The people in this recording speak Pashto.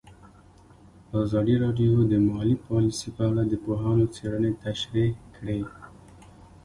ازادي راډیو د مالي پالیسي په اړه د پوهانو څېړنې تشریح کړې.